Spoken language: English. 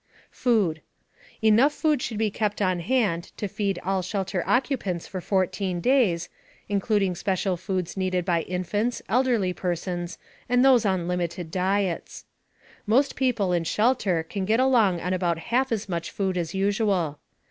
FOOD. Enough food should be kept on hand to feed all shelter occupants for 14 days, including special foods needed by infants, elderly persons, and those on limited diets. Most people in shelter can get along on about half as much food as usual.